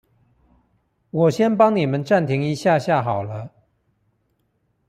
我先幫你們暫停一下下好了